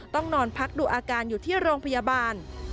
ต้องนอนพักดูอาการอยู่ที่โรงพยาบาล